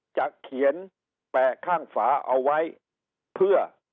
จะเขียนแปะข้างฝาเอาไว้เพื่อ